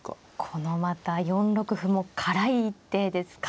このまた４六歩も辛い一手ですか。